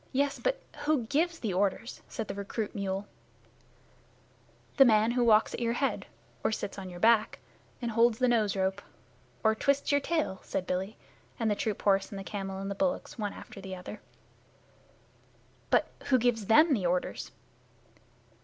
"Yes, but who gives the orders?" said the recruit mule. "The man who walks at your head Or sits on your back Or holds the nose rope Or twists your tail," said Billy and the troop horse and the camel and the bullocks one after the other. "But who gives them the orders?"